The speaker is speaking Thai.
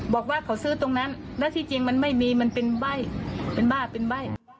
บอกว่าเขาซื้อตรงนั้นที่จริงมันมันไม่มีมันเป็นบ้าเป็นแบบ